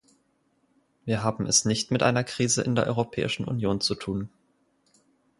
Wir haben es nicht mit einer Krise in der Europäischen Union zu tun.